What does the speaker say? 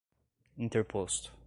interposto